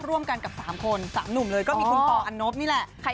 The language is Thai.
ร่วมกันกับ๓คน๓หนุ่มเลยก็มีคุณปออันนบนี่แหละ